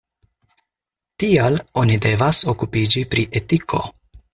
Tial oni devas okupiĝi pri etiko.